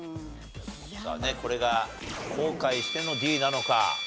これが後悔してのＤなのか。